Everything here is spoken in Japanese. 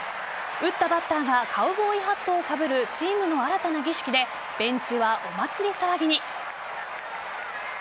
打ったバッターがカウボーイハットをかぶるチームの新たな儀式でベンチはお祭り騒ぎに。